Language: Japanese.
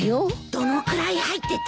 どのくらい入ってた？